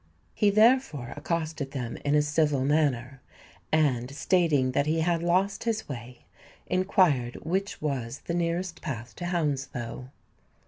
He therefore accosted them in a civil manner, and, stating that he had lost his way, inquired which was the nearest path to Hounslow.